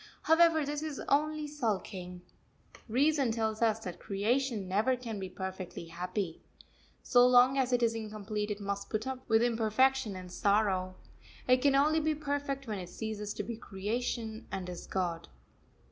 However, this is only sulking. Reason tells us that creation never can be perfectly happy. So long as it is incomplete it must put up with imperfection and sorrow. It can only be perfect when it ceases to be creation, and is God.